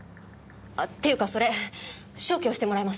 っていうかそれ消去してもらえません？